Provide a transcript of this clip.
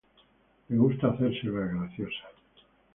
Le gusta hacerse la graciosa.